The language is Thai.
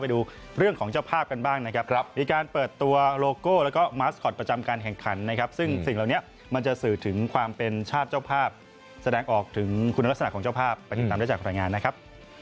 ไปดูเรื่องของเจ้าภาพกันบ้างนะครับ